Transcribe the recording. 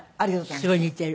すごい似てる。